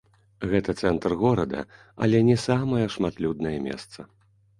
Гэта цэнтр горада, але не самае шматлюднае месца.